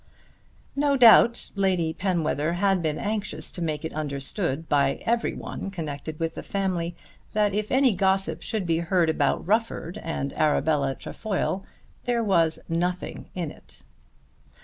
No doubt Lady Penwether had been anxious to make it understood by every one connected with the family that if any gossip should be heard about Rufford and Arabella Trefoil there was nothing in it.